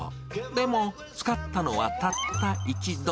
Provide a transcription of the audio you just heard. でも、使ったのはたった１度。